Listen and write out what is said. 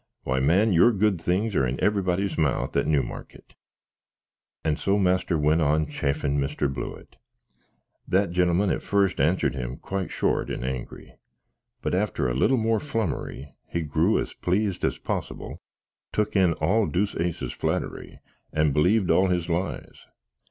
Why, man, your good things are in everybody's mouth at Newmarket." And so master went on chaffin Mr. Blewitt. That genlmn at fust answered him quite short and angry; but, after a little more flumery, he grew as pleased as posbill, took in all Deuceace's flatry, and bleeved all his lies.